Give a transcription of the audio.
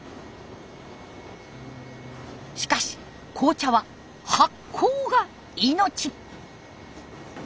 しかし紅茶は発酵が命。